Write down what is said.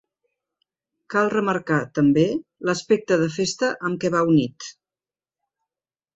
Cal remarcar, també, l’aspecte de festa amb què va unit.